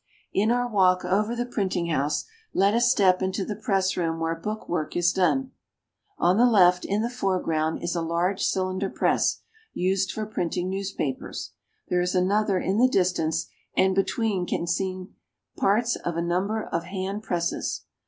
In our walk over the printing house, let us step into the Press room where book work is done. On the left, in the foreground, is a large cylinder press used for printing newspapers; there is another in the distance, and between can be seen parts of a number of hand presses.